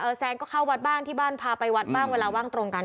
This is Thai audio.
แซนก็เข้าวัดบ้างที่บ้านพาไปวัดบ้างเวลาว่างตรงกัน